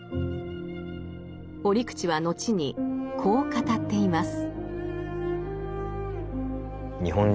折口は後にこう語っています。